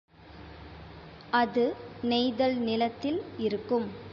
அது நெய்தல் நிலத்தில் இருக்கும்.